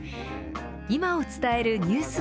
今を伝えるニュース